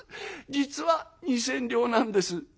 実は二千両なんです」。